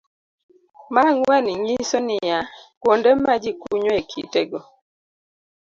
Mar ang'wen nyiso ni; A. Kuonde ma ji kunyoe kitego